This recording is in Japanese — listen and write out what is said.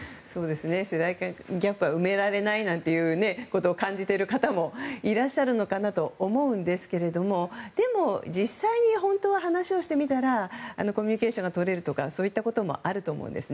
世代間ギャップは埋められないなんて感じてる方もいらっしゃるのかなと思うんですけれどもでも、実際に本当は話をしてみたらコミュニケーションが取れるとかそういったこともあると思うんですね。